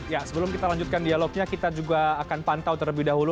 ya sebelum kita lanjutkan dialognya kita juga akan pantau terlebih dahulu